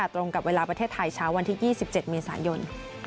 ตรงกับเวลาประเทศไทยเช้าวันที่๒๗เมษายน